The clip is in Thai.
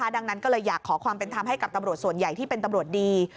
ดังนั้นก็เลยอยากขอความเป็นธรรมให้กับตำรวจส่วนใหญ่ที่เป็นตำรวจดี